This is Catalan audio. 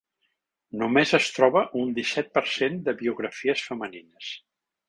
Només es troba un disset per cent de biografies femenines.